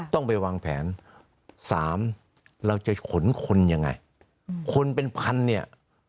ต้องไปวางแผนสามเราจะขนคนยังไงคนเป็นพันเนี่ย